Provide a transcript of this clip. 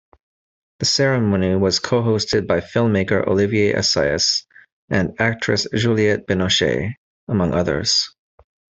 The ceremony was co-hosted by filmmaker Olivier Assayas and actress Juliette Binoche, among others.